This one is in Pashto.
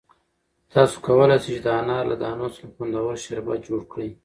تاسو کولای شئ چې د انار له دانو څخه خوندور شربت جوړ کړئ.